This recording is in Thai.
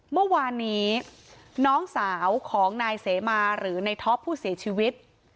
เมื่อวานนี้น้องสาวของนายเสมาหรือในท็อปผู้เสียชีวิต